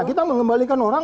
kita mengembalikan orang